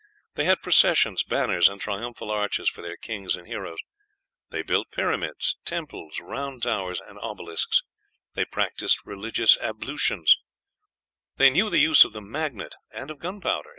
They had processions, banners, and triumphal arches for their kings and heroes; they built pyramids, temples, round towers, and obelisks; they practised religious ablutions; they knew the use of the magnet and of gunpowder.